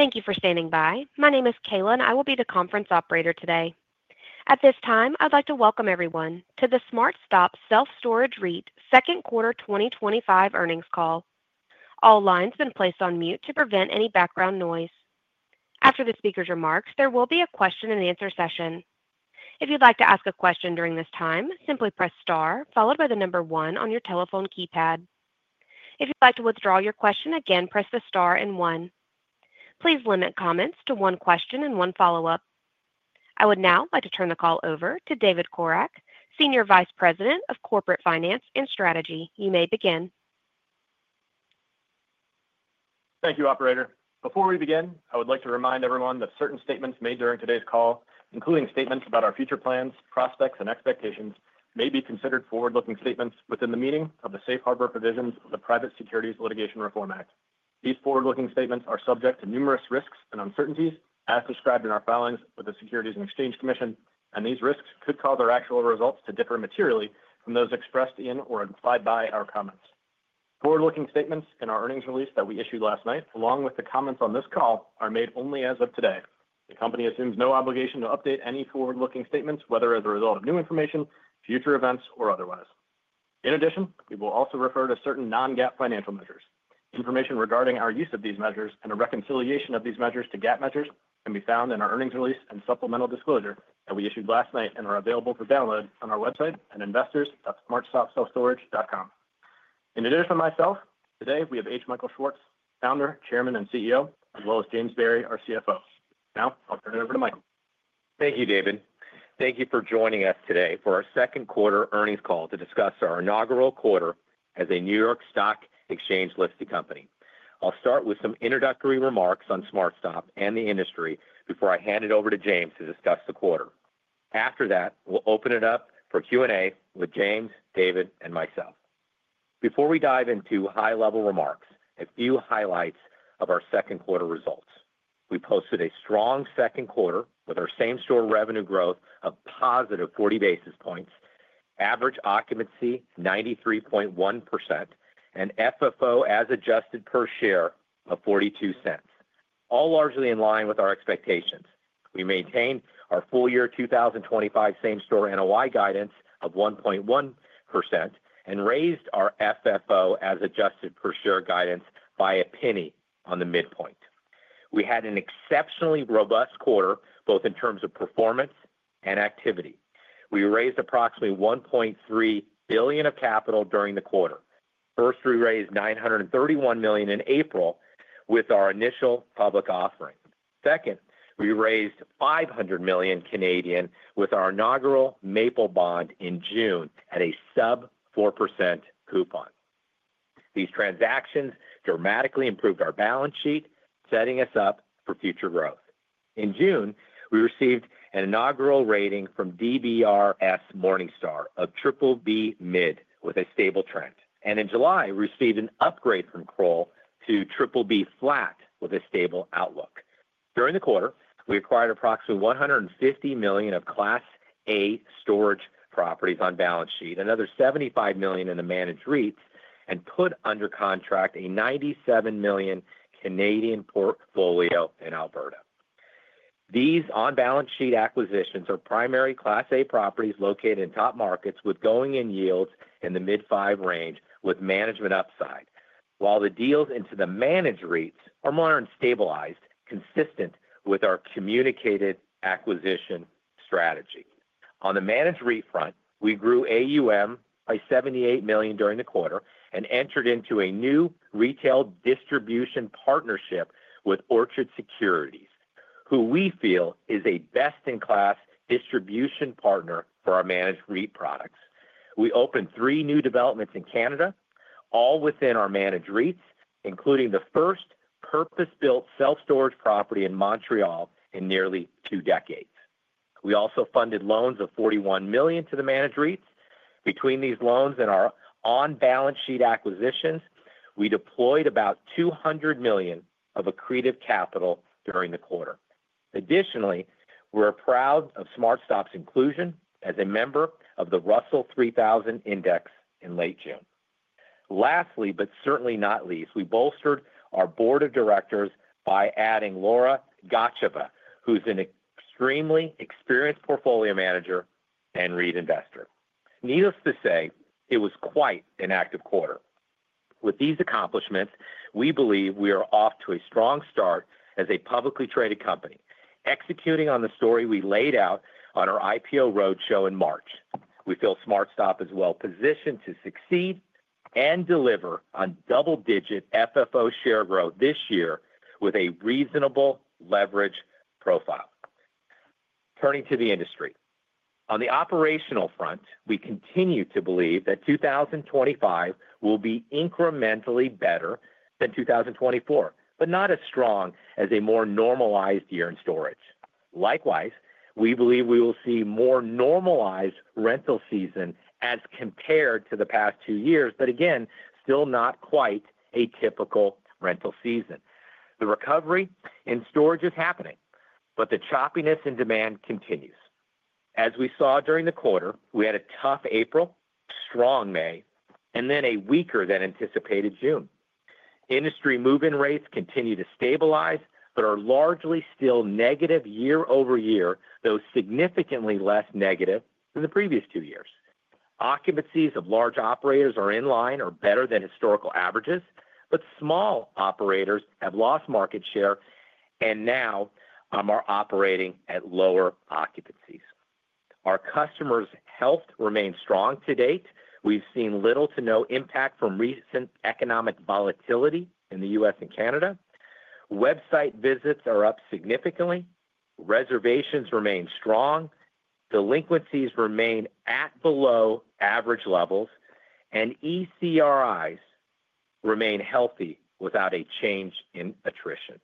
Thank you for standing by. My name is Kayla and I will be the conference operator today. At this time I'd like to welcome everyone to the SmartStop Self Storage REIT Second Quarter 2025 Earnings Call. All lines have been placed on mute to prevent any background noise. After the speakers' remarks, there will be a question-and-answer session. If you'd like to ask a question during this time, simply press star followed by the number one on your telephone keypad. If you'd like to withdraw your question, again press the star and one. Please limit comments to one question and one follow-up. I would now like to turn the call over to David Corak, Senior Vice President of Corporate Finance and Strategy. You may begin. Thank you, operator. Before we begin, I would like to remind everyone that certain statements made during today's call, including statements about our future plans, prospects, and expectations may be considered forward looking statements within the meaning of the safe harbor provisions of the Private Securities Litigation Reform Act. These forward-looking statements are subject to numerous risks and uncertainties as described in our filings with the Securities and Exchange Commission, and these risks could cause our actual results to differ materially from those expressed in or implied by our comments. Forward-looking statements in our earnings release that we issued last night, along with the comments on this call, are made only as of today. The Company assumes no obligation to update any forward-looking statements, whether as a result of new information, future events or otherwise. In addition, we will also refer to certain non-GAAP financial measures. Information regarding our use of these measures and a reconciliation of these measures to GAAP measures can be found in our earnings release and supplemental disclosure that we issued last night are available for download on our website at investors.smartstopselfstorage.com. In addition to myself, today we have H. Michael Schwartz, Founder, Chairman, and CEO, as well as James Barry, our CFO. Now I'll turn it over to Michael. Thank you, David, thank you for joining us today for our second quarter earnings call to discuss our inaugural quarter as a New York Stock Exchange listed company. I'll start with some introductory remarks on SmartStop and the industry before I hand it over to James to discuss the quarter. After that, we'll open it up for Q&A with James, David, and myself. Before we dive into high-level remarks, a few highlights of our second quarter results. We posted a strong second quarter with our same store revenue growth of +40 basis points, average occupancy 93.1%, and FFO as adjusted per share of $0.42, all largely in line with our expectations. We maintained our full year 2025 same store NOI guidance of 1.1% and raised our FFO as adjusted per share guidance by a penny on the midpoint. We had an exceptionally robust quarter both in terms of performance and activity. We raised approximately $1.3 billion of capital during the quarter. First, we raised $931 million in April with our initial public offering. Second, we raised 500 million with our inaugural Maple bond in June at a sub-4% coupon. These transactions dramatically improved our balance sheet, setting us up for future growth. In June, we received an inaugural rating from DBRS Morningstar of BBB mid with a stable trend, and in July received an upgrade from Kroll to BBB flat with a stable outlook. During the quarter, we acquired approximately $150 million of Class A storage properties on balance sheet, another $75 million in the managed REITs, and put under contract a 97 million portfolio in Alberta. These on balance sheet acquisitions are primary Class A properties located in top markets with going in yields in the mid 5% range with management upside, while the deals into the managed REITs are more unstabilized, consistent with our communicated acquisition strategy. On the managed REIT front, we grew AUM by $78 million during the quarter and entered into a new retail distribution partnership with Orchard Securities, who we feel is a best-in-class distribution partner for our managed REIT products. We opened three new developments in Canada, all within our managed REITs, including the first purpose-built self-storage property in Montreal in nearly two decades. We also funded loans of $41 million to the managed REITs. Between these loans and our on balance sheet acquisitions, we deployed about $200 million of accretive capital during the quarter. Additionally, we're proud of SmartStop's inclusion as a member of the Russell 3000 Index in late June. Lastly, but certainly not least, we bolstered our Board of Directors by adding Laura Gotcheva, who's an extremely experienced portfolio manager and REIT investor. Needless to say, it was quite an active quarter. With these accomplishments, we believe we are off to a strong start as a publicly traded company executing on the story we laid out on our IPO roadshow in March. We feel SmartStop is well-positioned to succeed and deliver on double-digit FFO share growth this year with a reasonable leverage profile. Turning to the industry, on the operational front, we continue to believe that 2025 will be incrementally better than 2024, but not as strong as a more normalized year in storage. Likewise, we believe we will see a more normalized rental season as compared to the past two years, but again still not quite a typical rental season. The recovery in storage is happening, but the choppiness in demand continues. As we saw during the quarter, we had a tough April, strong May, and then a weaker than anticipated June. Industry move-in rates continue to stabilize but are largely still negative year-over-year, though significantly less negative than the previous two years. Occupancies of large operators are in line or better than historical averages, but small operators have lost market share and now are operating at lower occupancies. Our customers' health remains strong. To date, we've seen little to no impact from recent economic volatility in the U.S. and Canada. Website visits are up significantly, reservations remain strong, delinquencies remain at below average levels, and ECRIs remain healthy without a change in attrition.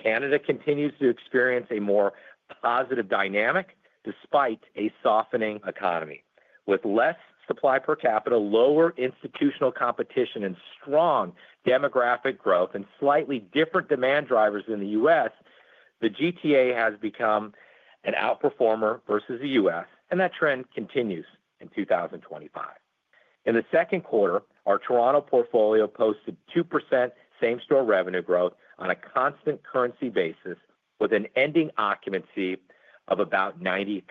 Canada continues to experience a more positive dynamic despite a softening economy, with less supply per capita, lower institutional competition, and strong demographic growth and slightly different demand drivers. In the U.S., the GTA has become an outperformer versus the U.S., and that trend continues in 2025. In the second quarter, our Toronto portfolio posted 2% same-store revenue growth on a constant currency basis with an ending occupancy of about 93%.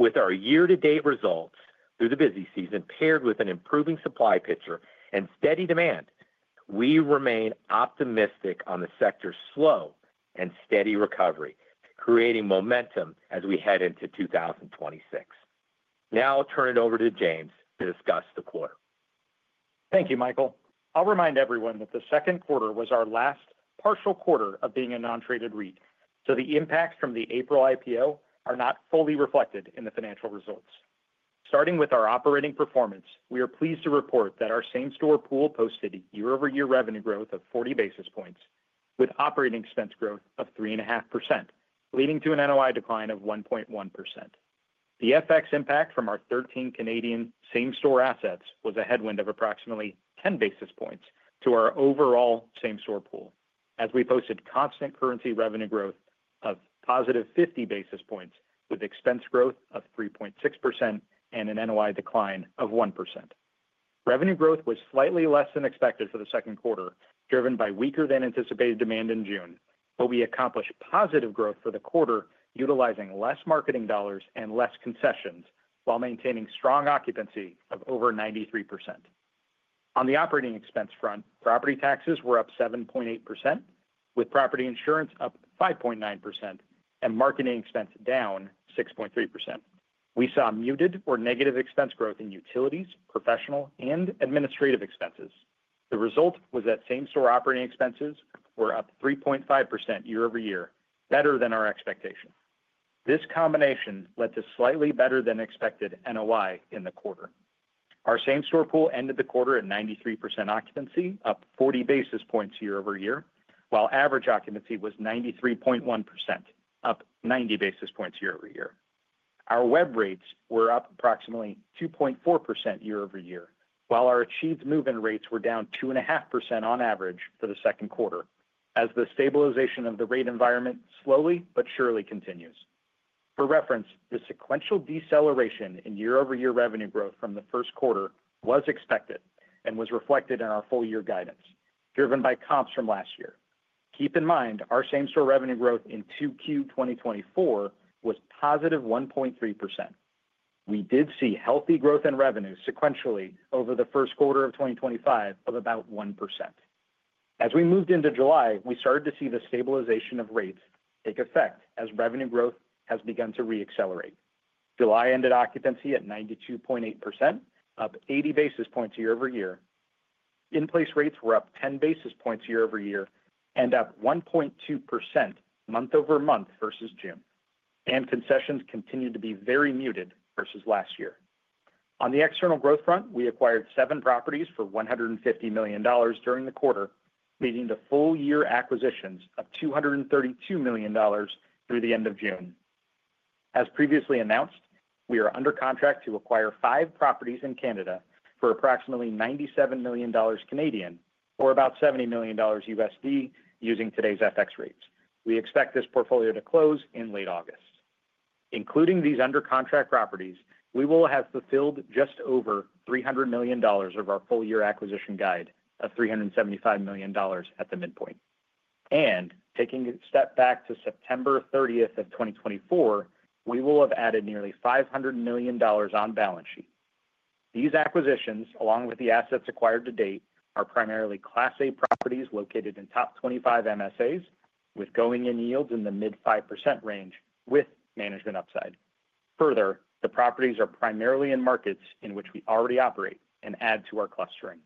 With our year-to-date results through the busy season paired with an improving supply picture and steady demand, we remain optimistic on the sector's slow and steady recovery, creating momentum as we head into 2026. Now I'll turn it over to James to discuss the quarter. Thank you, Michael. I'll remind everyone that the second quarter was our last partial quarter of being a non-traded REIT, so the impacts from the April IPO are not fully reflected in the financial results. Starting with our operating performance, we are pleased to report that our same store pool posted year-over-year revenue growth of 40 basis points with operating expense growth of 3.5%, leading to an NOI decline of 1.1%. The FX impact from our 13 Canadian same store assets was a headwind of approximately 10 basis points to our overall same store pool as we posted constant currency revenue growth of +50 basis points with expense growth of 3.6% and an NOI decline of 1%. Revenue growth was slightly less than expected for the second quarter, driven by weaker than anticipated demand in June, but we accomplished positive growth for the quarter utilizing less marketing dollars and less concessions while maintaining strong occupancy of over 93%. On the operating expense front, property taxes were up 7.8% with property insurance up 5.9% and marketing expense down 6.3%. We saw muted or negative expense growth in utilities, professional, and administrative expenses. The result was that same store operating expenses were up 3.5% year-over-year, better than our expectation. This combination led to slightly better than expected NOI in the quarter. Our same store pool ended the quarter at 93% occupancy, up 40 basis points year-over-year, while average occupancy was 93.1%, up 90 basis points year-over-year. Our web rates were up approximately 2.4% year-over-year, while our achieved move-in rates were down 2.5% on average for the second quarter as the stabilization of the rate environment slowly but surely continues. For reference, the sequential deceleration in year-over-year revenue growth from the first quarter was expected and was reflected in our full-year guidance driven by comps from last year. Keep in mind our same store revenue growth in 2Q 2024 was +1.3%. We did see healthy growth in revenue sequentially over the first quarter of 2025 of about 1%. As we moved into July, we started to see the stabilization of rates take effect as revenue growth has begun to re-accelerate. July ended occupancy at 92.8%, up 80 basis points year-over-year. In-place rates were up 10 basis points year-over-year and up 1.2% month-over-month versus June, and concessions continued to be very muted versus last year. On the external growth front, we acquired seven properties for $150 million during the quarter, leading to full year acquisitions of $232 million through the end of June. As previously announced, we are under contract to acquire five properties in Canada for approximately 97 million Canadian dollars or about $70 million. Using today's FX rates, we expect this portfolio to close in late August. Including these under contract properties, we will have fulfilled just over $300 million of our full year acquisition guide of $375 million. At the midpoint and taking a step back to September 30, 2024, we will have added nearly $500 million on balance sheet. These acquisitions, along with the assets acquired to date, are primarily Class A properties located in top 25 MSAs with going in yields in the mid 5% range with management upside. Further, the properties are primarily in markets in which we already operate and add to our clustering.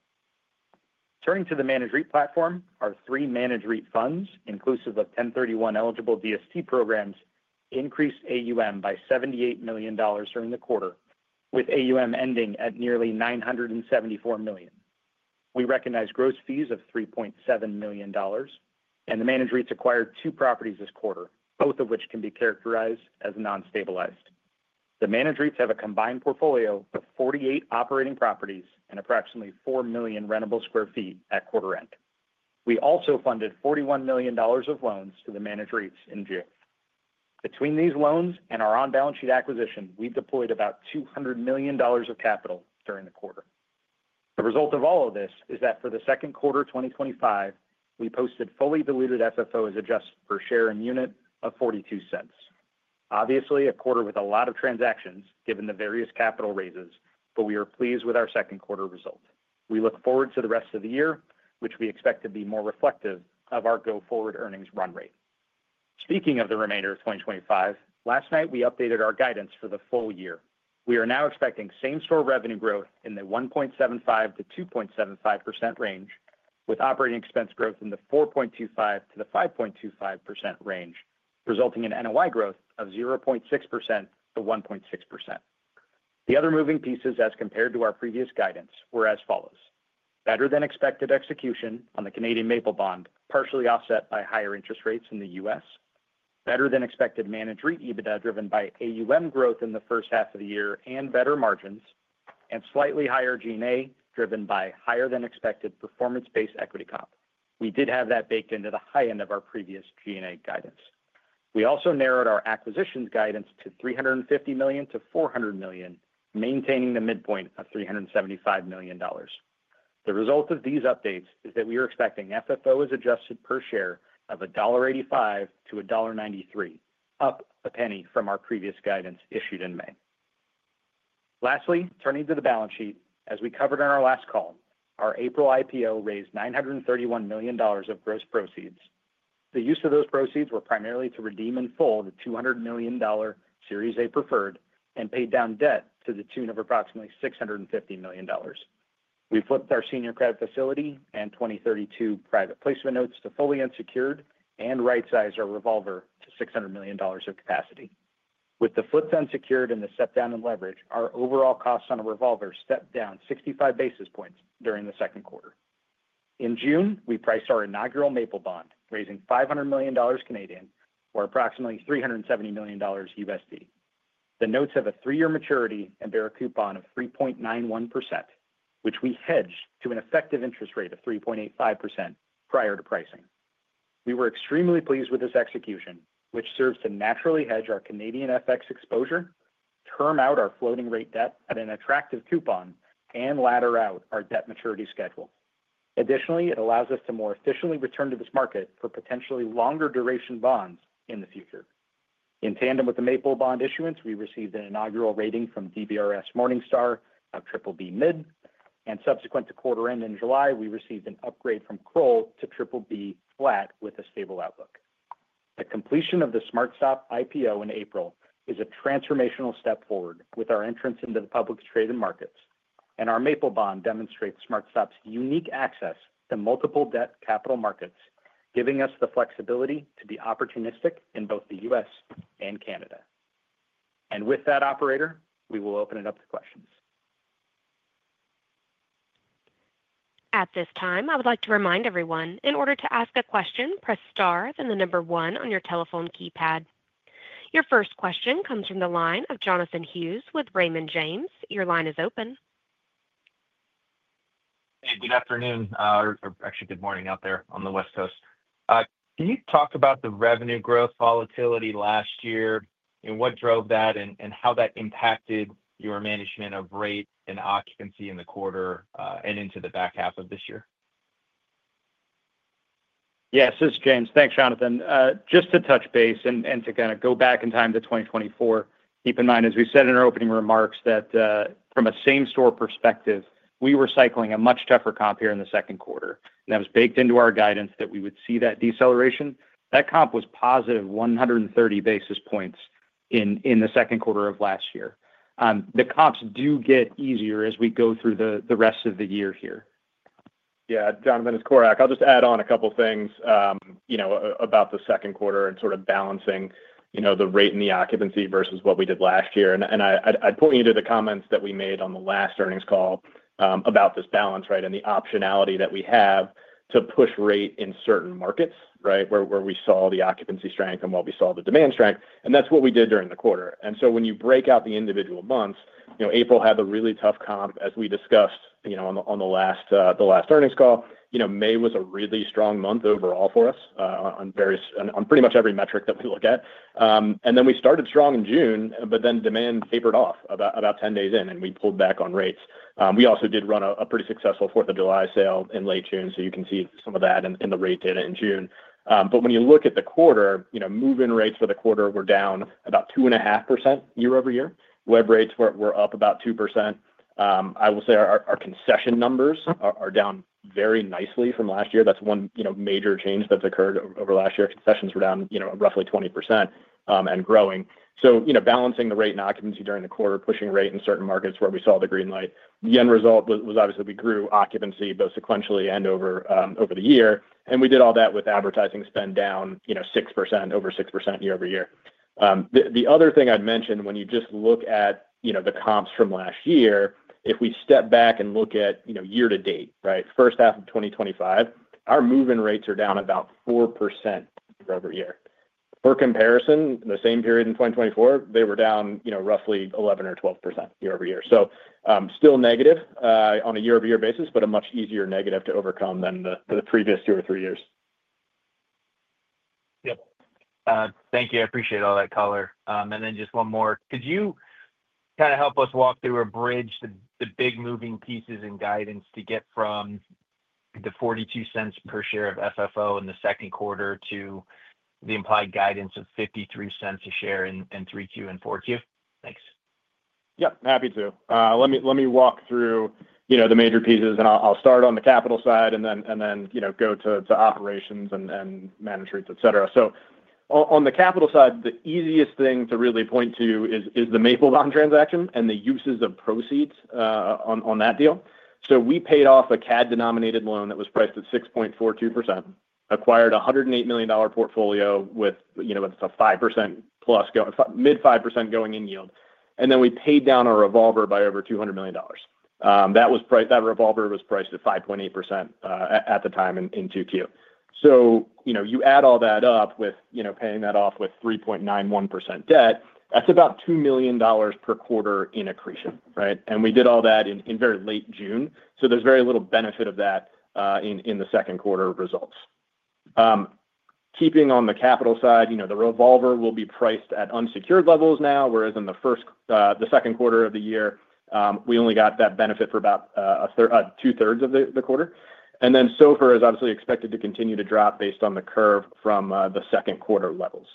Turning to the managed REIT platform, our three managed REIT funds, inclusive of 1031 eligible DST programs, increased AUM by $78 million during the quarter with AUM ending at nearly $974 million. We recognized gross fees of $3.7 million, and the managed REITs acquired two properties this quarter, both of which can be characterized as non-stabilized. The managed REITs have a combined portfolio with 48 operating properties and approximately 4 million rentable square feet at quarter end. We also funded $41 million of loans to the managed REITs in June. Between these loans and our on balance sheet acquisition, we deployed about $200 million of capital during the quarter. The result of all of this is that for the second quarter 2025, we posted fully diluted FFO as adjusted per share in unit of $0.42. Obviously, a quarter with a lot of transactions given the various capital raises, but we are pleased with our second quarter result. We look forward to the rest of the year, which we expect to be more reflective of our go forward earnings run rate. Speaking of the remainder of 2025, last night we updated our guidance for the full year. We are now expecting same store revenue growth in the 1.75%-2.75% range with operating expense growth in the 4.25%-5.25% range, resulting in NOI growth of 0.6%-1.6%. The other moving pieces as compared to our previous guidance were as follows: better than expected execution on the Canadian Maple bond, partially offset by higher interest rates in the U.S.; better than expected managed REIT EBITDA driven by AUM growth in the first half of the year and better margins; and slightly higher G&A driven by higher than expected performance-based equity components. We did have that baked into the high end of our previous G&A guidance. We also narrowed our acquisitions guidance to $350 million-$400 million, maintaining the midpoint of $375 million. The result of these updates is that we are expecting FFO as adjusted per share of $1.85-$1.93, up a penny from our previous guidance issued in May. Lastly, turning to the balance sheet, as we covered on our last call, our April IPO raised $931 million of gross proceeds. The use of those proceeds was primarily to redeem in full the $200 million Series A preferred and paid down debt to the tune of approximately $650 million. We flipped our senior credit facility and 2032 private placement notes to fully unsecured and right-sized our revolver to $600 million of capacity. With the flips on secured and the step down in leverage, our overall costs on the revolver stepped down 65 basis points during the second quarter. In June, we priced our inaugural Maple bond, raising 500 million Canadian dollars or approximately $370 million. The notes have a three-year maturity and bear a coupon of 3.91%, which we hedged to an effective interest rate of 3.85% prior to pricing. We were extremely pleased with this execution, which serves to naturally hedge our Canadian FX exposure, term out our floating rate debt at an attractive coupon, and ladder out our debt maturity schedule. Additionally, it allows us to more efficiently return to this market for potentially longer duration bonds in the future. In tandem with the Maple bond issuance, we received an inaugural rating from DBRS Morningstar of BBB mid, and subsequent to quarter end in July, we received an upgrade from Kroll to BBB flat with a stable outlook. The completion of the SmartStop IPO in April is a transformational step forward with our entrance into the public traded markets. Our Maple bond demonstrates SmartStop's unique access to multiple debt capital markets, giving us the flexibility to be opportunistic in both the U.S. and Canada. With that, operator, we will open it up to questions. At this time, I would like to remind everyone in order to ask a question, press star, then the number one on your telephone keypad. Your first question comes from the line of Jonathan Hughes with Raymond James. Your line is open. Hey, good afternoon. Good morning out there on the West Coast. Can you talk about the revenue growth volatility last year and what drove that? How that impacted your management of rate and occupancy in the quarter and into the back half of this year? Yes, this is James. Thanks Jonathan. Just to touch base and to kind of go back in time to 2024, keep in mind, as we said in our opening remarks, that from a same store perspective we were cycling a much tougher comp here in the second quarter, and that was baked into our guidance that we would see that deceleration. That comp was +130 basis points in the second quarter of last year. The comps do get easier as we go through the rest of the year here. Yeah, Jonathan, it's Corak. I'll just add on a couple things about the second quarter and sort of balancing the rate and the occupancy versus what we did last year. I'd point you to the comments that we made on the last earnings call about this balance, right, and the optionality that we have to push rate in certain markets where we saw the occupancy strength and while we saw the demand strength, and that's what we did during the quarter. When you break out the individual months, April had a really tough comp, as we discussed on the last earnings call. May was a really strong month overall for us on pretty much every metric that we look at. We started strong in June, but then demand favored off about 10 days in and we pulled back on rates. We also did run a pretty successful Fourth of July sale in late June. You can see some of that in the rate data in June. When you look at the quarter, move-in rates for the quarter were down about 2.5% year-over-year. Web rates were up about 2%. I will say our concession numbers are down very nicely from last year. That's one major change that's occurred over last year. Concessions were down roughly 20% and growing. Balancing the rate and occupancy during the quarter, pushing rate in certain markets where we saw the green light, the end result was obviously we grew occupancy both sequentially and over the year. We did all that with advertising spend down 6% over 6% year-over-year. The other thing I'd mention, when you just look at the comps from last year, if we step back and look at year to date first half of 2025, our move-in rates are down about 4% year-over-year. For comparison, the same period in 2024, they were down roughly 11% or 12% year-over-year. Still negative on a year-over-year basis, but a much easier negative to overcome than the previous year or three years. Thank you. I appreciate all that color. Just one more, could you kind of help us walk through or bridge the big moving pieces in guidance to get from the $0.42 per share of FFO in the second quarter to the implied guidance of $0.53 a share in 3Q and 4Q. Thanks. Yeah, happy to. Let me walk through the major pieces. I'll start on the capital side and then go to operations and manage rates, etc. On the capital side, the easiest thing to really point to is the Maple bond transaction and the uses of proceeds on that deal. We paid off a CAD denominated loan that was priced at 6.42%, acquired a $108 million portfolio with a 5%+ mid 5% going in yield, and then we paid down our revolver by over $200 million. That revolver was priced at 5.8% at the time in 2Q, you add all that up with paying that off with 3.91% debt that's about $2 million per quarter in accretion. Right. We did all that in very late June, so there's very little benefit of that in the second quarter results. Keeping on the capital side, the revolver will be priced at unsecured levels now, whereas in the first, the second quarter of the year, we only got that benefit for about 2/3 of the quarter. SOFR is obviously expected to continue to drop based on the curve from the second quarter levels.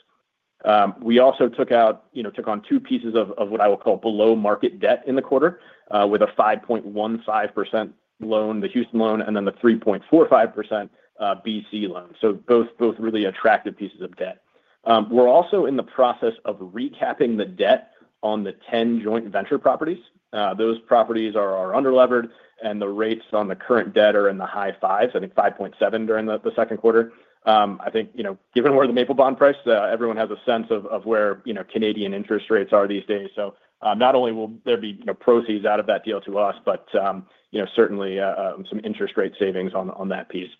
We also took on two pieces of what I will call below market debt in the quarter with a 5.15% loan, the Houston loan, and then the 3.45% BC loan. Both are really attractive pieces of debt. We're also in the process of recapping the debt on the 10 joint venture properties. Those properties are underlevered and the rates on the current debt are in the high fives. I think 5.7% during the second quarter. I think given where the Maple bond priced, everyone has a sense of where Canadian interest rates are these days. Not only will there be proceeds out of that deal to us, but certainly some interest rate savings on that piece.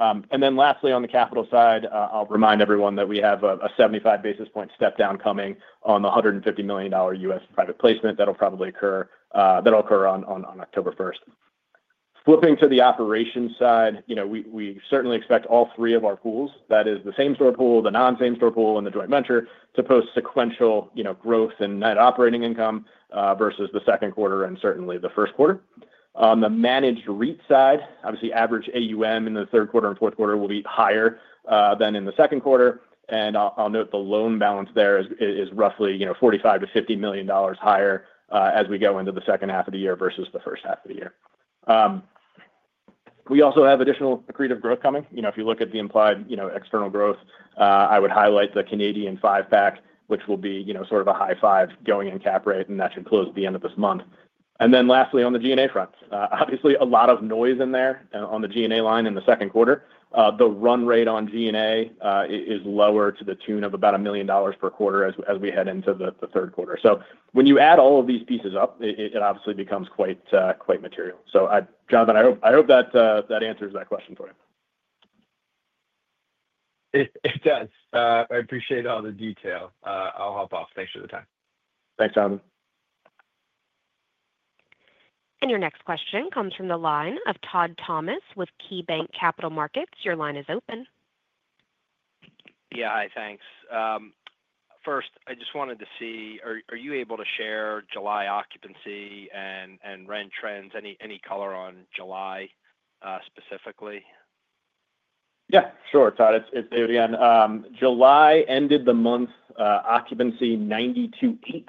Lastly, on the capital side, I'll remind everyone that we have a 75 basis point step down coming on the $150 million U.S. private placement. That'll occur on October 1. Flipping to the operations side, we certainly expect all three of our pools, that is the same store pool, the non-same store pool, and the joint venture, to post sequential growth in net operating income versus the second quarter and certainly the first quarter. On the managed REIT side, obviously average AUM in the third quarter and fourth quarter will be higher than in the second quarter. I'll note the loan balance there is roughly $45 million-$50 million higher as we go into the second half of the year versus the first half of the year. We also have additional accretive growth coming. If you look at the implied external growth, I would highlight the Canadian five pack, which will be sort of a high five going-in cap rate, and that should close at the end of this month. Lastly, on the G&A front, obviously a lot of noise in there. On the G&A line in the second quarter, the run rate on G&A is lower to the tune of about $1 million per quarter as we head into the third quarter. When you add all of these pieces up, it obviously becomes quite material. Jonathan, I hope that answers that question for you. It does. I appreciate all the detail. I'll hop off. Thanks for the time. Thanks, Jonathan. Your next question comes from the line of Todd Thomas with KeyBanc Capital Markets. Your line is open. Yeah, hi, thanks. First, I just wanted to see, are you able to share July occupancy and rent trends, any color on July specifically? Yeah, sure, Todd, it's David again. July ended the month occupancy 92.8%.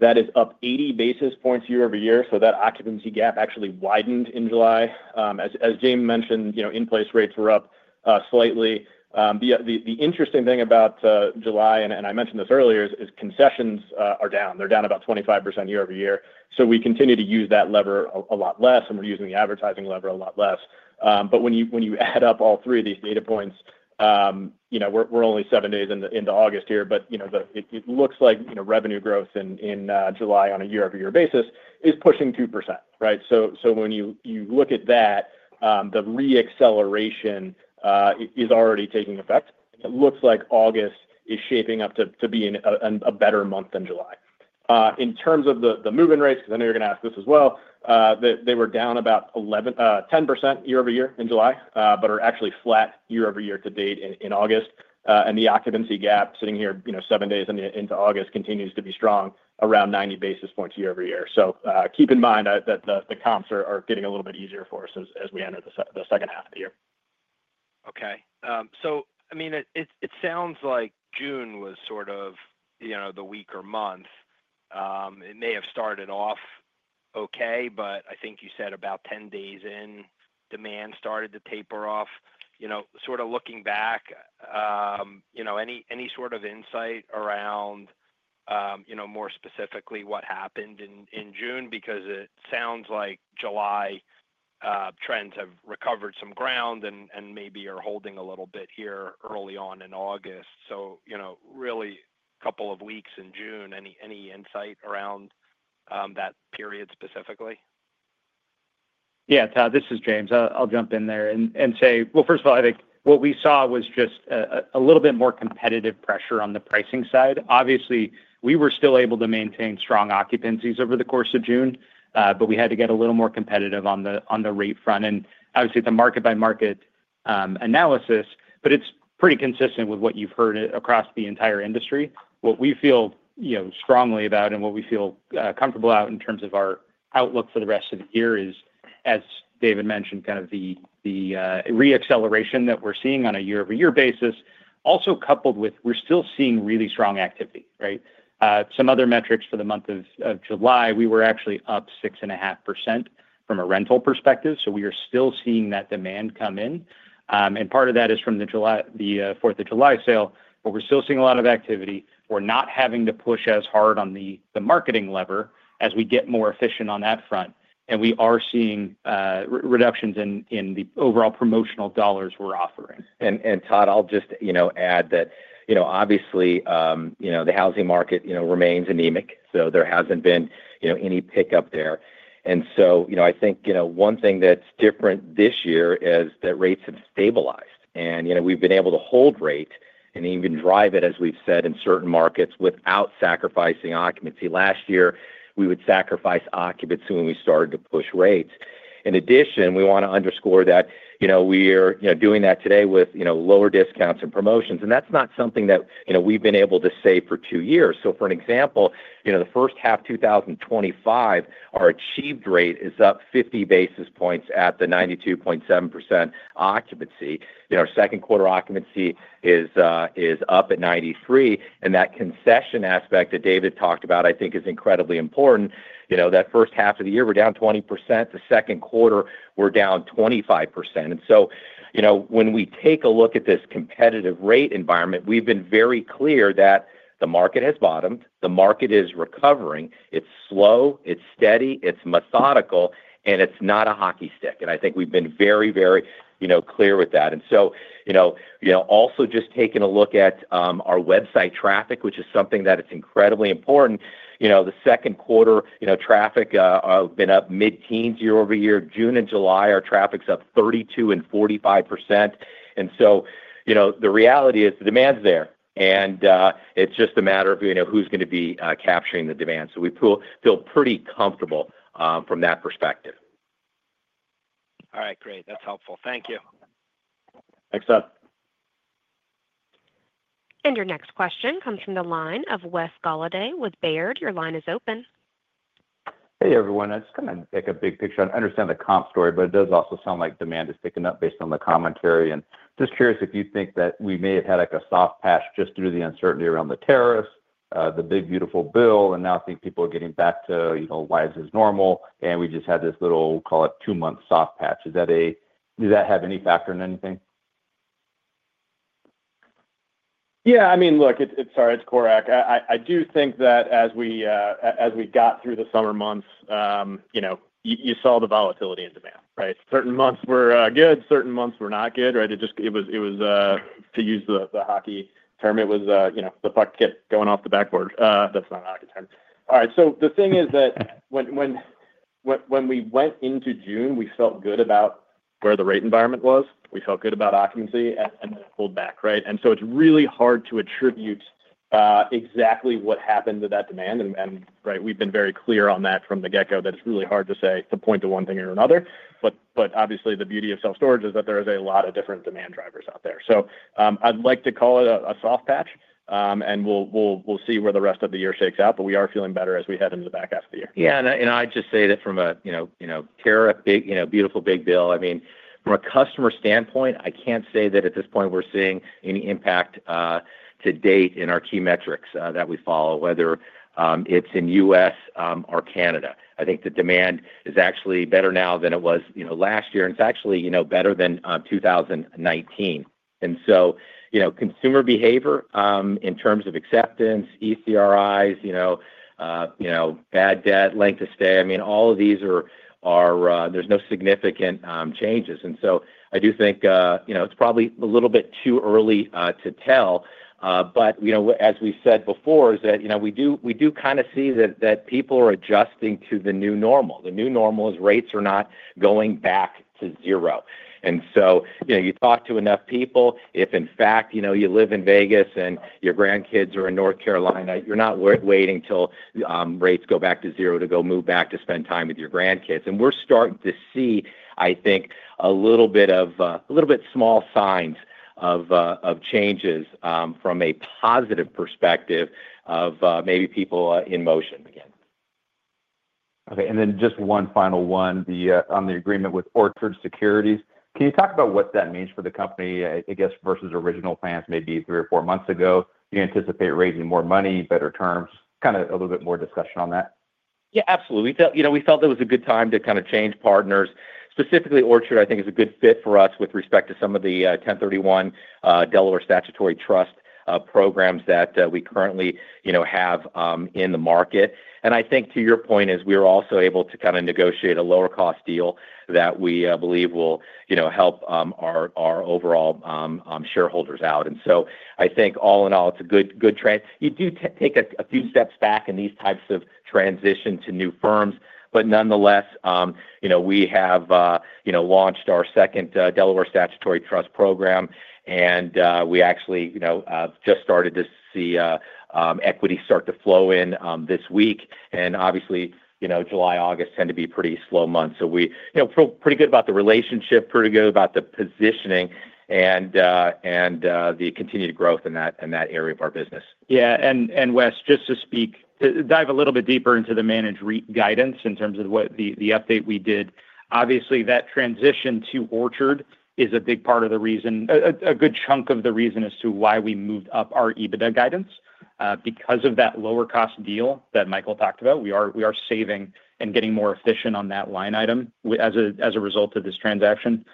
That is up 80 basis points year-over-year. That occupancy gap actually widened in July. As James mentioned, in place rates were up slightly. The interesting thing about July, and I mentioned this earlier, is concessions are down. They're down about 25% year-over-year. We continue to use that lever a lot less and we're using the advertising lever a lot less. When you add up all three of these data points, we're only seven days into August here, but it looks like revenue growth in July on a year-over-year basis is pushing 2%. When you look at that, the re-acceleration is already taking effect. It looks like August is shaping up to be a better month than July in terms of the move in rates because I know you're going to ask this as well. They were down about 10% year-over-year in July, but are actually flat year-over-year to date in August. The occupancy gap sitting here seven days into August continues to be strong around 90 basis points year-over-year. Keep in mind that the comps are getting a little bit easier for us as we enter the second half of the year. Okay, it sounds like June was the weaker month. It may have started off okay, but I think you said about 10 days in demand started to taper off. Looking back, any sort of insight around more specifically what happened in June? It sounds like July trends have recovered some ground and maybe are holding a little bit here early on in August. You know, really a couple of weeks in June. Any insight around that period specifically? Yeah, Todd, this is James. I'll jump in there and say, first of all, I think what we saw was just a little bit more competitive pressure on the pricing side. Obviously, we were still able to maintain strong occupancies over the course of June, but we had to get a little more competitive on the rate front. Obviously, it's a market by market analysis, but it's pretty consistent with what you've heard across the entire industry. What we feel strongly about and what we feel comfortable about in terms of our outlook for the rest of the year is, as David mentioned, kind of the re-acceleration that we're seeing on a year-over-year basis, also coupled with we're still seeing really strong activity, right. Some other metrics. For the month of July, we were actually up 6.5% from a rental perspective. We are still seeing that demand come in and part of that is from the Fourth of July sale. We're still seeing a lot of activity. We're not having to push as hard on the marketing lever as we get more efficient on that front, and we are seeing reductions in the overall promotional dollars we're offering. Todd, I'll just add that obviously the housing market remains an. There hasn't been any pickup there. I think one thing that's different this year is that rates have stabilized and we've been able to hold rate and even drive it, as we've said, in certain markets without sacrificing occupancy. Last year we would sacrifice occupancy when we started to push rates. In addition, we want to underscore that we are doing that today with lower discounts and promotions. That's not something that we've been able to say for two years. For an example, the first half, 2025, our achieved rate is up 50 basis points at the 92.7% occupancy. In our second quarter, occupancy is up at 93%. That concession aspect that David talked about I think is incredibly important. That first half of the year we're down 20%. The second quarter we're down 25%. When we take a look at this competitive rate environment, we've been very clear that the market has bottomed. The market is recovering, it's slow, it's steady, it's methodical and it's not a hockey stick. I think we've been very, very clear with that. Also, just taking a look at our website traffic, which is something that is incredibly important, the second quarter traffic has been up mid teens year-over-year. June and July, our traffic's up 32% and 45%. The reality is the demand's there and it's just a matter of who's going to be capturing the demand. We feel pretty comfortable from that perspective. All right, great. That's helpful. Your next question comes from the line of Wes Golladay with Baird. Your line is open. Hey everyone. I just kind of pick a big picture. I understand the comp story, but it does also sound like demand is picking up based on the commentary. I am just curious if you think that we may have had a soft patch just due to the uncertainty around the terrorists, the big beautiful bill. I think people are getting back to, you know, lives as normal and we just had this little call. Is that two month soft patch, does that have any factor in anything? Yeah, I mean, look, it's Corak. I do think that as we got through the summer months, you saw the volatility in demand. Right. Certain months were good, certain months were not good. Right. It was, to use the hockey term, you know, the puck kid going off the backboard. That's not all right. The thing is that when we went into June, we felt good about where the rate environment was, we felt good about occupancy and pulled back. It's really hard to attribute exactly what happened to that demand. We've been very clear on that from the get go that it's really hard to say to point to one thing or another. Obviously, the beauty of self-storage is that there are a lot of different demand drivers out there. I like to call it a soft patch and we'll see where the rest of the year shakes out. We are feeling better as we head into the back half of the year. I just say that from a, you know, tariff big, beautiful big bill. I mean from a customer standpoint, I can't say that at this point we're seeing any impact to date in our key metrics that we follow, whether it's in the U.S. or Canada. I think the demand is actually better now than it was last year and it's actually better than 2019. Consumer behavior in terms of acceptance, ECRIs, bad debt, length of stay, all of these are, there's no significant changes. I do think it's probably a little bit too early to tell, but as we said before, we do kind of see that people are adjusting to the new normal. The new normal is rates are not going back to zero. You talk to enough people, if in fact you live in Vegas and your grandkids are in North Carolina, you're not waiting until rates go back to zero to go move back to spend time with your grandkids. We're starting to see, I think, a little bit of, a little bit small signs of changes from a positive perspective of maybe people in motion again. Okay. Just one final one. On the agreement with Orchard Securities, can you talk about what that means for the company, versus original plans maybe three or four months ago, you anticipate raising more money, better terms, a little bit more discussion on that? Yeah, absolutely. You know, we felt it was a good time to kind of change partners. Specifically, Orchard, I think, is a good fit for us with respect to some of the 1031 Delaware Statutory Trust programs that we currently have in the market. I think to your point is we are also able to kind of negotiate a lower cost deal that we believe will help our overall shareholders out. I think all in all, it's a good, you do take a few steps back in these types of transition to new firms. Nonetheless, we have launched our second Delaware Statutory Trust program and we actually just started to see equity start to flow in this week. Obviously, you know, July, August tend to be pretty slow months. We, you know, feel pretty good about the relationship, pretty good about the positioning and the continued growth in that, in that area of our business. Yeah. Wes, just to speak, dive a little bit deeper into the managed REIT guidance in terms of what the update we did. Obviously, that transition to Orchard is a big part of the reason, a good chunk of the reason as to why we moved up our EBITDA guidance because of that lower cost deal that Michael talked about. We are saving and getting more efficient on that line item as a result of this transaction.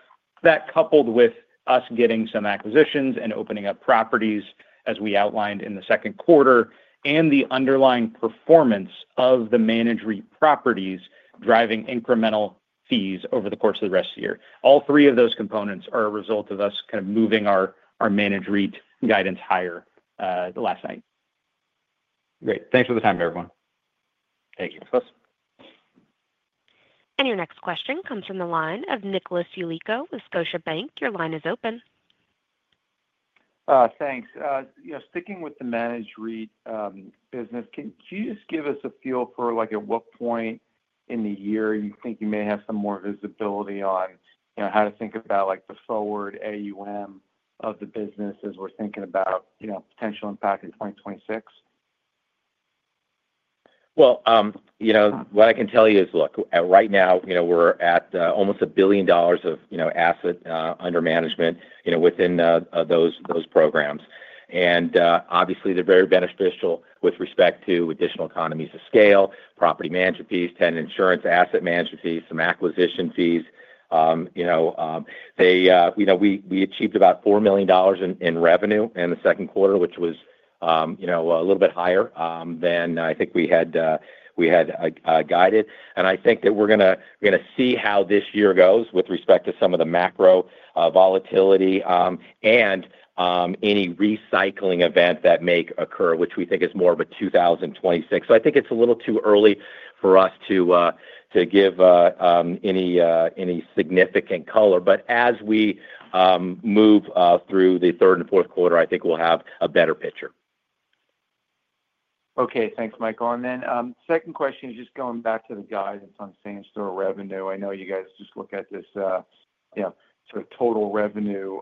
That, coupled with us getting some acquisitions and opening up properties as we outlined in the second quarter, and the underlying performance of the managed REIT properties driving incremental fees over the course of the rest of the year, all three of those components are a result of us kind of moving our managed REIT guidance higher last night. Great. Thanks for the time, everyone. Your next question comes from the line of Nicholas Yulico with Scotiabank. Your line is open. Thanks. You know, sticking with the managed REIT business, can you just give us a feel for, at what point in the year you think you may have some more visibility on how to think about the forward AUM of the business as we're thinking about potential impact in 2026. Right now, we're at almost $1 billion of asset under management within those programs. Obviously, they're very beneficial with respect to additional economies of scale, property management fees, tenant insurance, asset management fees, and some acquisition fees. We achieved about $4 million in revenue in the second quarter, which was a little bit higher than I think we had guided. I think that we're going to see how this year goes with respect to some of the macro volatility and any recycling event that may occur, which we think is more of a 2026. I think it's a little too early for us to give any significant color, but as we move through the third and fourth quarter, I think we'll have a better picture. Okay, thanks, Michael. My second question is just going back to the guidance on same store revenue. I know you guys just look at this sort of total revenue,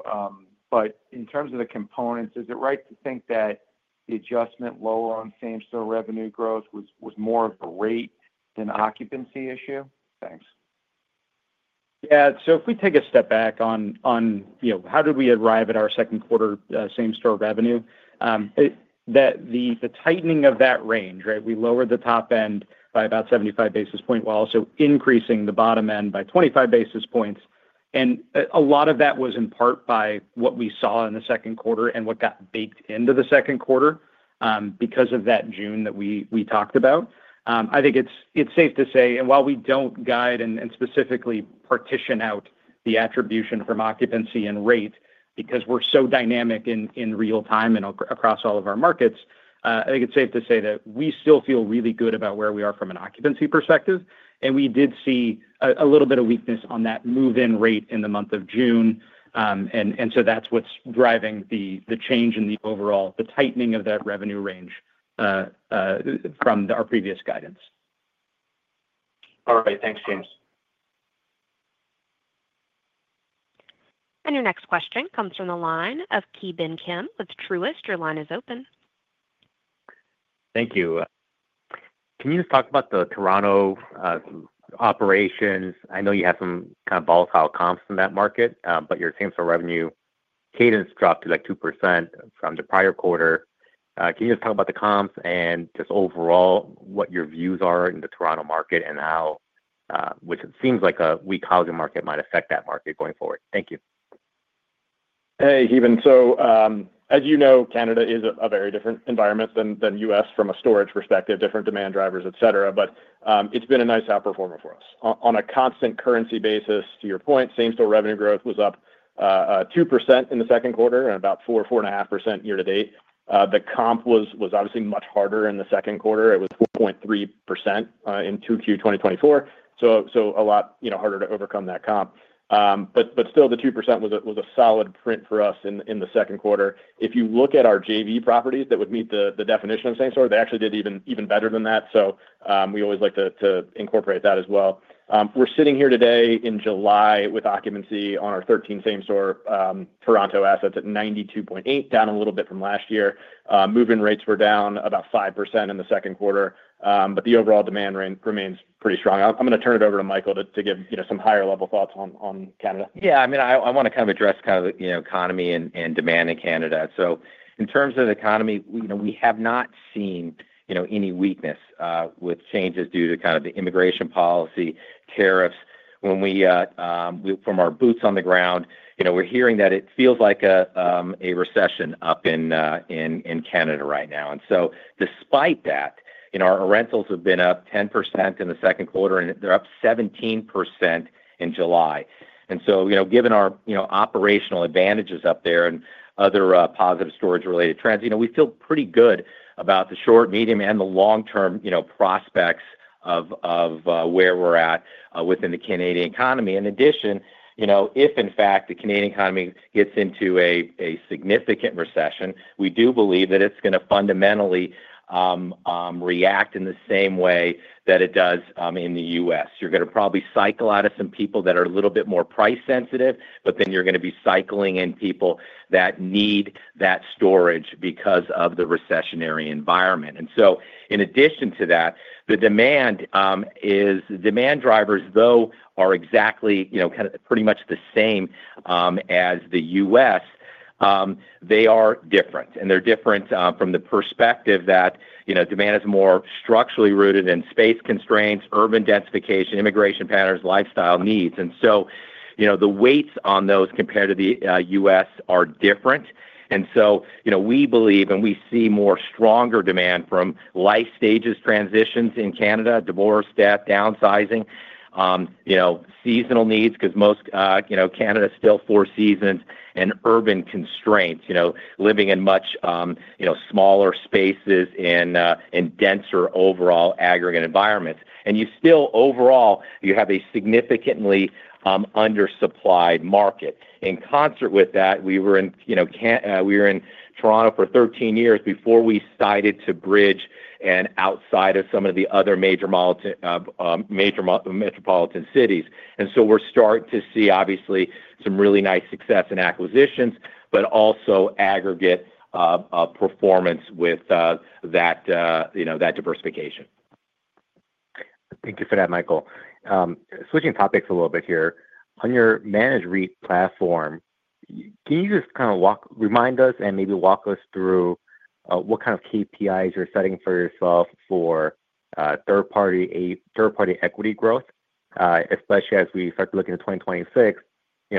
but in terms of the components, is it right to think that the adjustment low on same store revenue growth was more of a rate, an occupancy issue? Thanks. If we take a step back on, you know, how did we arrive at our second quarter same store revenue, that the tightening of that range. Right. We lowered the top end by about 75 basis points while also increasing the bottom end by 25 basis points. A lot of that was in part by what we saw in the second quarter and what got baked into the second quarter because of that June that we talked about. I think it's safe to say, and while we don't guide and specifically partition out the attribution from occupancy and rate, because we're so dynamic in real-time and across all of our markets, I think it's safe to say that we still feel really good about where we are from an occupancy perspective. We did see a little bit of weakness on that move-in rate in the month of June, and that's what's driving the change in the overall, the tightening of that revenue range from our previous guidance. All right, thanks, James. Your next question comes from the line of Ki Bin Kim with Truist. Your line is open. Thank you. Can you just talk about the Toronto operations? I know you have some kind of volatile comps in that market, but your same store revenue cadence dropped to like 2% from the prior quarter. Can you just talk about the comps and just overall what your views are in the Toronto market and how, which it seems like a weak housing market, might affect that market going forward. Thank you. Hey, even so, as you know, Canada is a very different environment than U.S. from a storage perspective, different demand drivers, etc. It's been a nice outperformer for us on a constant currency basis. To your point, same store revenue growth was up 2% in the second quarter and about 4%, 4.5% year to date. The comp was obviously much harder in the second quarter. It was 4.3% in 2Q 2024. A lot harder to overcome that comp, but still the 2% was a solid print for us in the second quarter. If you look at our JV properties that would meet the definition of same store, they actually did even better than that. We always like to incorporate that as well. We're sitting here today in July with occupancy on our 13 same store Toronto assets at 92.8%, down a little bit from last year. Move in rates were down about 5% in the second quarter, but the overall demand remains pretty strong. I'm going to turn it over to Michael to give some higher level thoughts on Canada. Yeah, I mean I want to kind of address economy and demand in Canada. In terms of the economy, we have not seen any weakness with changes due to kind of the immigration policy tariffs. From our boots on the ground, we're hearing that it feels like a recession up in Canada right now. Despite that, our rentals have been up 10% in the second quarter and they're up 17% in July. Given our operational advantages up there and other positive storage related trends, we feel pretty good about the short, medium, and the long-term prospects of where we're at within the Canadian economy. In addition, if in fact the Canadian economy gets into a significant recession, we do believe that it's going to fundamentally react in the same way that it does in the U.S. You're going to probably cycle out of some people that are a little bit more price sensitive, but then you're going to be cycling in people that need that storage because of the recessionary environment. In addition to that, the demand drivers though are exactly pretty much the same as the U.S. They are different and they're different from the perspective that demand is more structurally rooted in space constraints, urban densification, immigration patterns, lifestyle needs. The weights on those compared to the U.S. are different. We believe and we see more stronger demand from life stages, transitions in Canada, divorce, death, downsizing, seasonal needs because most, you know, Canada still four seasons, and urban constraints, living in much smaller spaces in denser overall aggregate environments. Overall, you have a significantly under supplied market. In concert with that, we were in Toronto for 13 years before we started to bridge and outside of some of the other major metropolitan cities. We're starting to see obviously some really nice success in acquisitions but also aggregate performance with that diversification. Thank you for that. Michael, switching topics a little bit here on your managed REIT platform. Can you just kind of remind us and maybe walk us through what kind of KPIs you're setting for yourself for third-party, third-party equity growth, especially as we start to look into 2026.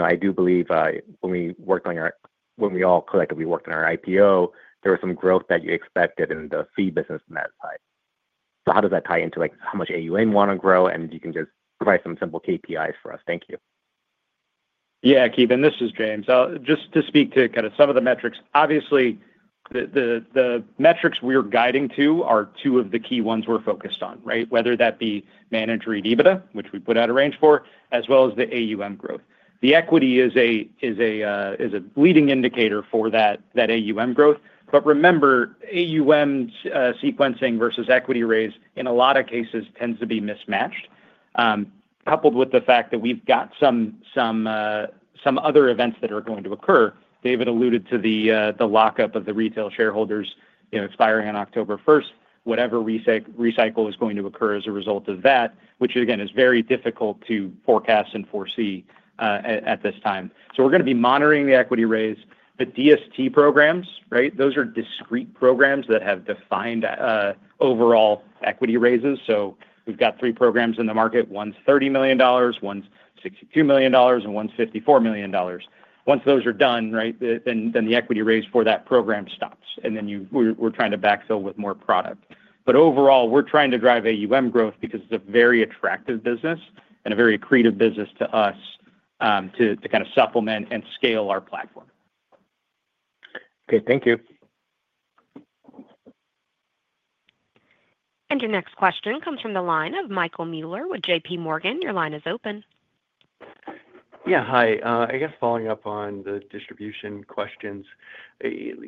I do believe when we worked on your, when we all collected. We worked on our IPO, there was some growth that you expected in the fee business from that side. How does that tie into like how much AUM you want to grow? You can just provide some simple KPIs for us. Thank you. Yeah. Ki Bin, this is James just to speak to kind of some of the metrics. Obviously, the metrics we are guiding to are two of the key ones we're focused on, right? Whether that be managed REIT EBITDA, which we put out a range for, as well as the AUM growth. The equity is a leading indicator for that AUM growth. Remember, AUM sequencing versus equity raise in a lot of cases tends to be mismatched, coupled with the fact that we've got some other events that are going to occur. David alluded to the lockup of the retail shareholders expiring on October 1, whatever recycle is going to occur as a result of that, which again is very difficult to forecast and foresee at this time. We're going to be monitoring the equity raise. DST programs, right, those are discrete programs that have defined overall equity raises. We've got three programs in the market, one's $30 million, one's $62 million, and one's $54 million. Once those are done, the equity raise for that program stops and then we're trying to backfill with more product. Overall, we're trying to drive AUM growth because it's a very attractive business and a very accretive business to us to supplement and scale our platform. Good, thank you. Your next question comes from the line of Michael Mueller with JPMorgan. Your line is open. Yeah, hi. I guess following up on the distribution questions,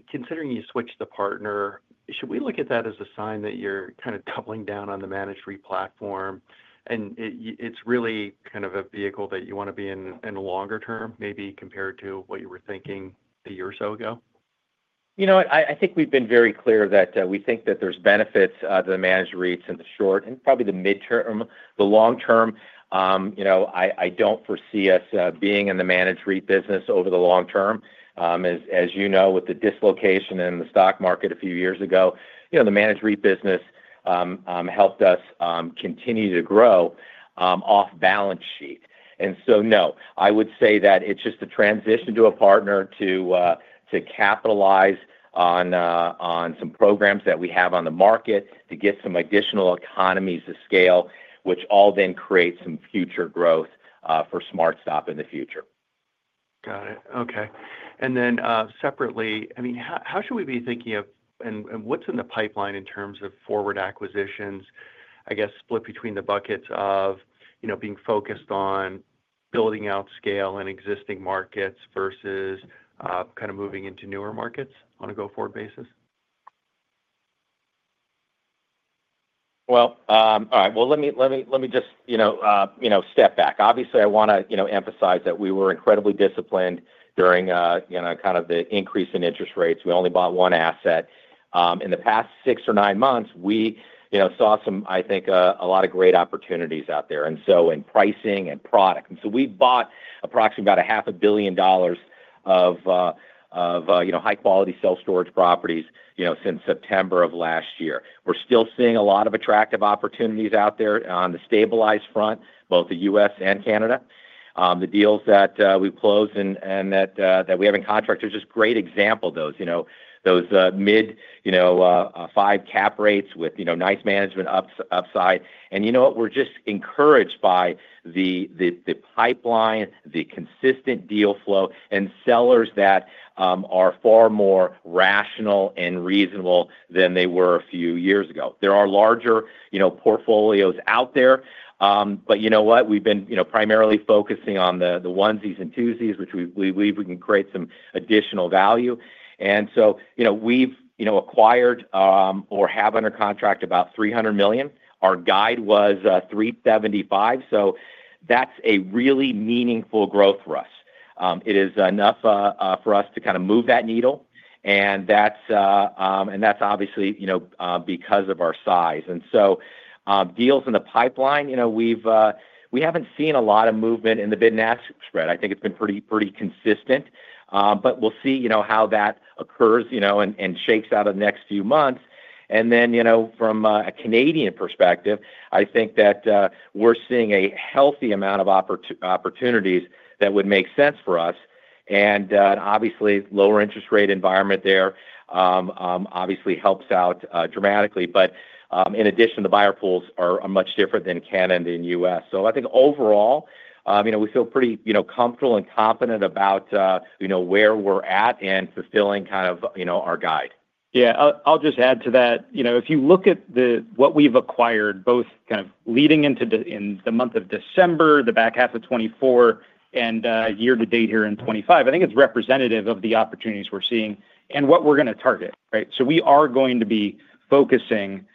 considering you switched the partner, should we look at that as a sign that you're kind of doubling down on the managed REIT platform and it's really kind of a vehicle that you want to be in the longer term maybe compared to what you were thinking a year or so ago? I think we've been very clear that we think that there's benefits to the managed REITs in the short and probably the mid term. The long-term, I don't foresee us being in the managed REIT business over the long-term as you know, with the dislocation in the stock market a few years ago, the managed REIT business helped us continue to grow off balance sheet. No, I would say that it's just a transition to a partner to capitalize on some programs that we have on the market to get some additional economies of scale, which all then create some future growth for SmartStop bn the future. Got it. Okay. How should we be thinking of and what's in the pipeline in terms of forward acquisitions? I guess split between the buckets. You know, being focused on building out scale in existing markets versus kind of moving into newer markets on a go forward basis. Let me just step back. Obviously, I want to emphasize that we were incredibly disciplined during the increase in interest rates. We only bought one asset in the past six or nine months. We saw, I think, a lot of great opportunities out there in pricing and product. We bought approximately $500 million of high quality self-storage properties since September of last year. We're still seeing a lot of attractive opportunities out there on the stabilized front, both in the U.S. and Canada. The deals that we closed and that we have in contract are just great examples of those mid 5% cap rates with nice management upside. We're just encouraged by the pipeline, the consistent deal flow, and sellers that are far more rational and reasonable than they were a few years ago. There are larger portfolios out there. We've been primarily focusing on the onesies and twosies, which we believe we can create some additional value. We've acquired or have under contract about $300 million. Our guide was $375 million. That's really meaningful growth for us. It is enough for us to move that needle. That's obviously because of our size, and deals in the pipeline, we haven't seen a lot of movement in the bid and ask spread. I think it's been pretty consistent. We'll see how that occurs and shakes out over the next few months. From a Canadian perspective, I think that we're seeing a healthy amount of opportunities that would make sense for us, and obviously, the lower interest rate environment there helps out dramatically. In addition, the buyer pools are much different in Canada than in the U.S. I think overall we feel pretty comfortable and confident about where we're at and fulfilling our guide. Yeah, I'll just add to that. If you look at what we've acquired both kind of leading into the month of December, the back half of 2024 and year to date here in 2025, I think it's representative of the opportunities we're seeing and what we're going to target. We are going to be focusing,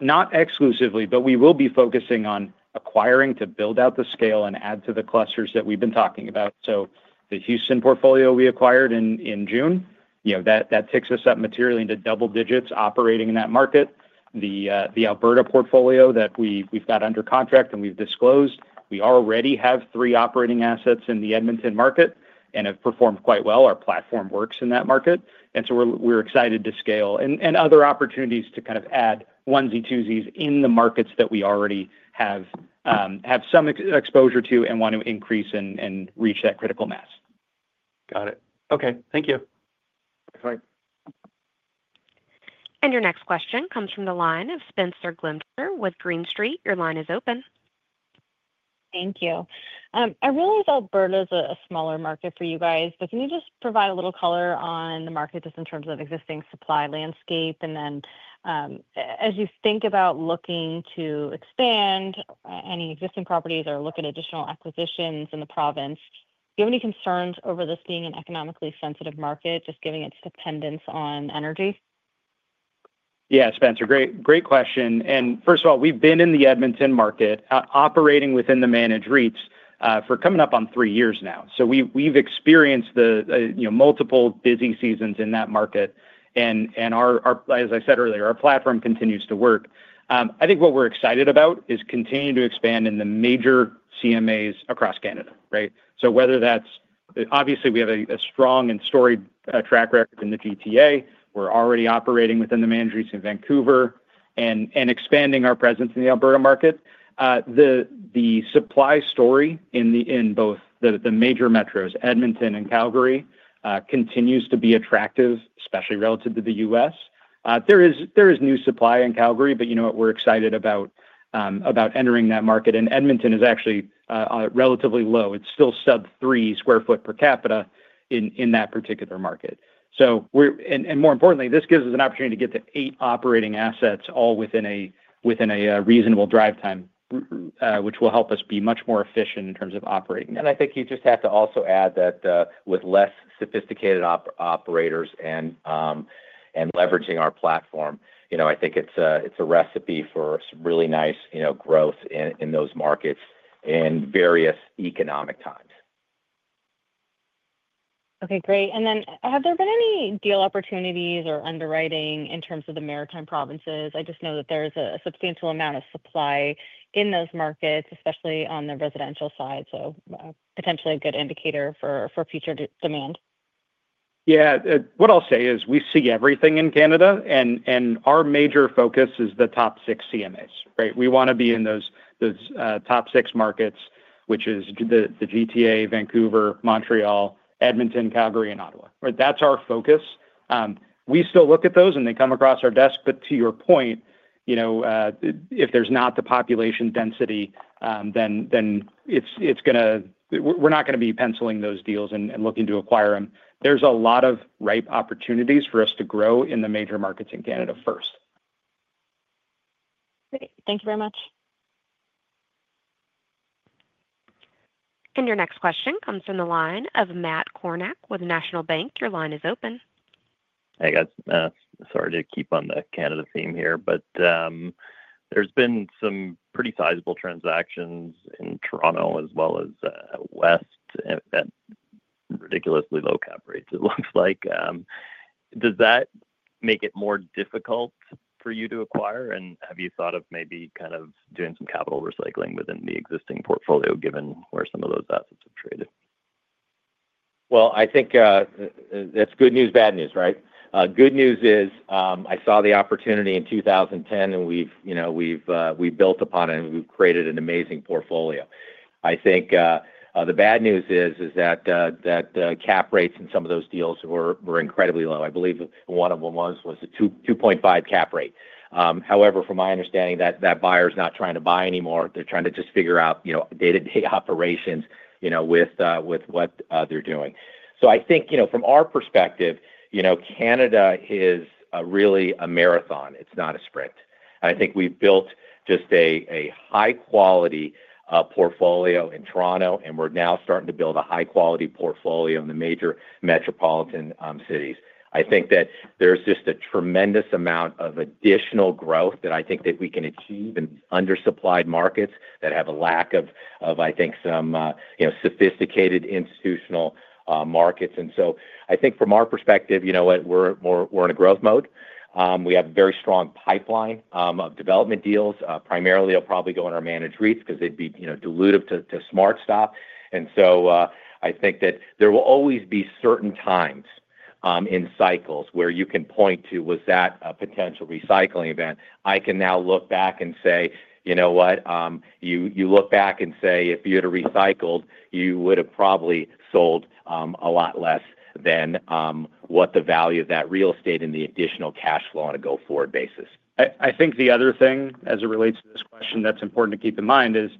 not exclusively, but we will be focusing on acquiring to build out the scale and add to the clusters that we've been talking about. The Houston portfolio we acquired in June, you know, that takes us up materially into double digits operating in that market. The Alberta portfolio that we've got under contract and we've disclosed, we already have three operating assets in the Edmonton market and have performed quite well. Our platform works in that market and we're excited to scale and other opportunities to kind of add onesie twosies in the markets that we already have some exposure to and want to increase and reach that critical mass. Got it. Okay, thank you. Your next question comes from the line of Spenser Glimcher with Green Street. Your line is open. Thank you. I realize Alberta is a smaller market for you guys, but can you just provide a little color on the market, just in terms of existing supply landscape? As you think about looking to expand any existing properties or look at additional acquisitions in the province, do you have any concerns over this being an economically sensitive market, just given its dependence on energy? Yeah, Spenser, great, great question. First of all, we've been in the Edmonton market operating within the managed REITs for coming up on three years now. We've experienced multiple busy seasons in that market. As I said earlier, our platform continues to work. I think what we're excited about is continuing to expand in the major CMAs across Canada. Obviously, we have a strong and storied track record in the GTA. We're already operating within the Montreal and Vancouver and expanding our presence in the Alberta market. The supply story in both the major metros, Edmonton and Calgary, continues to be attractive, especially relative to the U.S. There is new supply in Calgary, but you know what? We're excited about entering that market. Edmonton is actually relatively low. It's still sub 3 sq ft per capita in that particular market. More importantly, this gives us an opportunity to get the eight operating assets all within a reasonable drive time, which will help us be much more efficient in terms of operating. You just have to also add that with less sophisticated operators and leveraging our platform, I think it's a recipe for really nice growth in those markets in various economic times. Okay, great. Have there been any deal opportunities or underwriting in terms of the Maritime provinces? I just know that there's a substantial amount of supply in those markets, especially on the residential side. Potentially a good indicator for future demand. Yeah. What I'll say is we see everything in Canada, and our major focus is the top six CMAs. Right. We want to be in those top six markets, which is the GTA, Vancouver, Montreal, Edmonton, Calgary, and Ottawa. That's our focus. We still look at those, and they come across our desk. To your point, if there's not the population density, then we're not going to be penciling those deals and looking to acquire them. There's a lot of ripe opportunities for us to grow in the major markets in Canada first. Great. Thank you very much. Your next question comes from the line of Matt Kornack with National Bank. Your line is open. Hey guys, sorry to keep on the Canada theme here, but there's been some pretty sizable transactions in Toronto as well as West at ridiculously low cap rates, it looks like. Does that make it more difficult for you to acquire, and have you thought of maybe kind of doing some capital recycling within the existing portfolio, given where some of those assets have traded? I think that's good news, bad news, right? Good news is I saw the opportunity in 2010 and we've built upon and we've created an amazing portfolio. I think the bad news is that cap rates in some of those deals were incredibly low. I believe one of them was a 2.5% cap rate. However, from my understanding, that buyer is not trying to buy anymore. They're trying to just figure out day-to-day operations with what they're doing. I think from our perspective, Canada is a really a marathon, it's not a sprint. I think we've built just a high-quality portfolio in Toronto and we're now starting to build a high-quality portfolio in the major metropolitan cities. I think that there's just a tremendous amount of additional growth that we can achieve in undersupplied markets that have a lack of, I think, some sophisticated institutional markets. I think from our perspective, we're in a growth mode. We have a very strong pipeline of development deals. Primarily, I'll probably go on our managed REITs because they'd be dilutive to SmartStop. I think that there will always be certain times in cycles where you can point to was that a potential recycling event. I can now look back and say, you know what, you look back and say if you had recycled, you would have probably sold a lot less than what the value of that real estate and the additional cash flow on a go-forward basis. I think the other thing as it relates to this question that's important to keep in mind is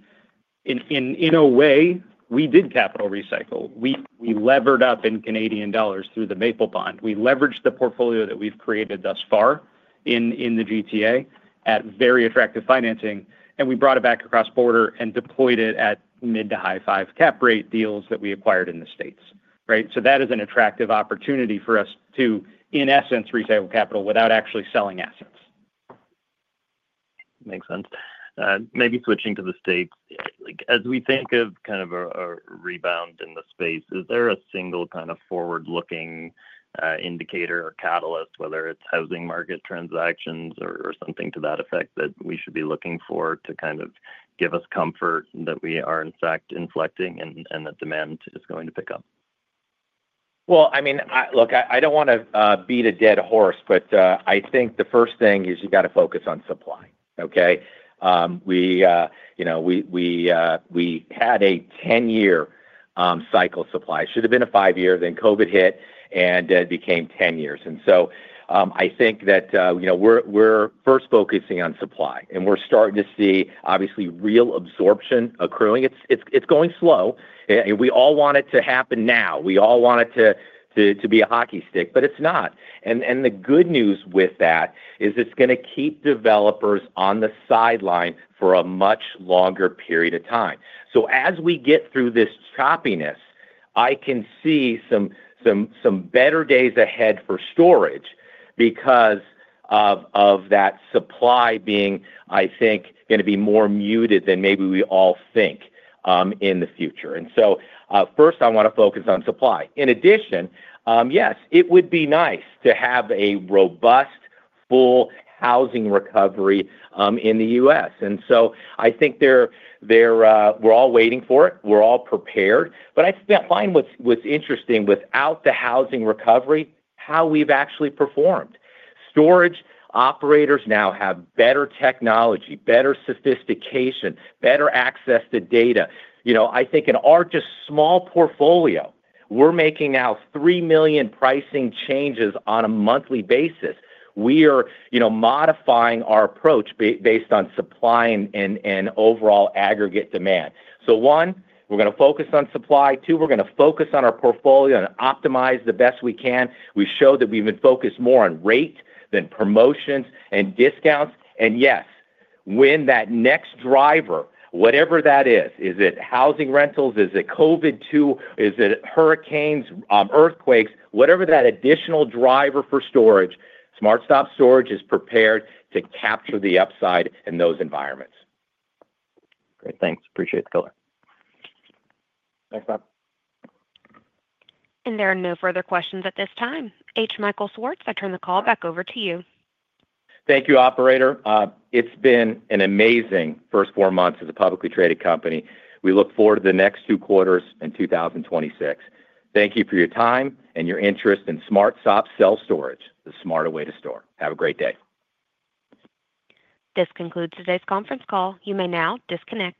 in a way we did capital recycle. We levered up in Canadian dollars through the Maple bond. We leveraged the portfolio that we've created thus far in the GTA at very attractive financing, and we brought it back across border and deployed it at mid to high 5% cap rate deals that we acquired in the States. That is an attractive opportunity for us to in essence resale capital without actually selling assets. Makes sense, maybe switching to the States. As we think of kind of a rebound in the space, is there a single kind of forward-looking indicator or catalyst, whether it's housing market transactions or something to that effect, that we should be looking for to kind of give us comfort that we are in fact inflecting and that demand is going to pick up? I mean, look, I don't want to beat a dead horse, but I think the first thing is you got to focus on supply. Okay. We had a 10-year cycle; supply should have been a five-year. Then COVID hit and became 10 years. I think that we're first focusing on supply, and we're starting to see obviously real absorption accruing. It's going slow. We all want it to happen now. We all want it to be a hockey stick, but it's not. The good news with that is it's going to keep developers on the sideline for a much longer period of time. As we get through this choppiness, I can see some better days ahead for storage because of that supply being, I think, going to be more muted than maybe we all think in the future. First, I want to focus on supply. In addition, yes, it would be nice to have a robust full housing recovery in the U.S., and I think we're all waiting for it, we're all prepared. I find what's interesting, without the housing recovery, how we've actually performed. Storage operators now have better technology, better sophistication, better access to data. I think in our just small portfolio, we're making out 3 million pricing changes on a monthly basis. We are modifying our approach based on supply and overall aggregate demand. One, we're going to focus on supply. Two, we're going to focus on our portfolio and optimize the best we can. We showed that we would focus more on rate than promotions and discounts. Yes, when that next driver, whatever that is, is it housing rentals, is it COVID-2, is it hurricanes, earthquakes, whatever that additional driver for storage, SmartStop Storage is prepared to capture the upside in those environments. Great, thanks. Appreciate the color There are no further questions at this time. H. Michael Schwartz, I turn the call back over to you. Thank you, operator. It's been an amazing first four months as a publicly traded company. We look forward to the next two quarters in 2026. Thank you for your time and your interest in SmartStop Self Storage, the smarter way to store. Have a great day. This concludes today's conference call. You may now disconnect.